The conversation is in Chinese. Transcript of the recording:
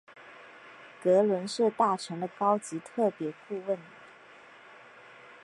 格伦是大臣的高级特别顾问。